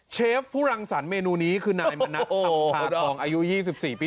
เชฟผู้รังสรรค์เมนูนี้คือนายมันนักทำผัดอองอายุยี่สิบสี่ปี